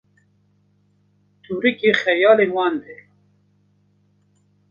tûrikê xeyalên wan de